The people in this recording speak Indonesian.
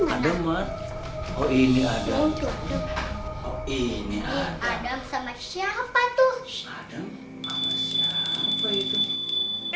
ada mati oh ini ada ini ada sama siapa tuh